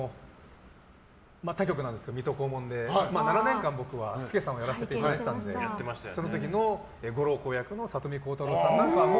他局なんですけど「水戸黄門」で７年間、僕は助さんをやらせていただいてましたのでその時のご老公役の里見浩太朗さんなんかは。